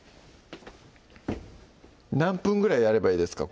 何分ぐらいやればいいですか？